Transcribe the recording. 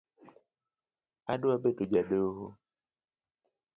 Adwa bedo jadoho